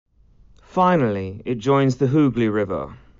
Finally, it joins the Hoogli River.